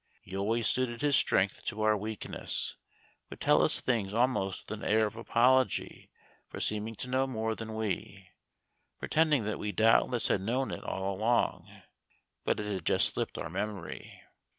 He always suited his strength to our weakness; would tell us things almost with an air of apology for seeming to know more than we; pretending that we doubtless had known it all along, but it had just slipped our memory.